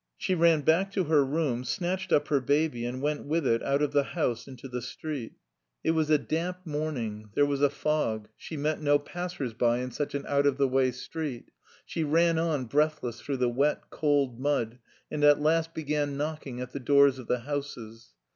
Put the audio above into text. She ran back to her room, snatched up her baby, and went with it out of the house into the street. It was a damp morning, there was a fog. She met no passers by in such an out of the way street. She ran on breathless through the wet, cold mud, and at last began knocking at the doors of the houses.